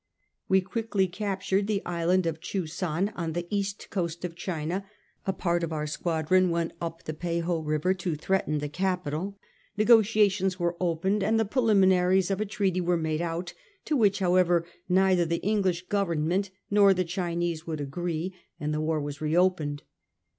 We quickly captured the island of Chusan, on the east coast of China ; a part of our squadron went up the Peiho river to threaten the capital ; negotiations were opened, and the preliminaries of a treaty were made out, to which, however, neither the English Government nor the Chinese would agree, 180 A HISTORY OF OUE OWN TIMES. cn. vin. and the war was reopened.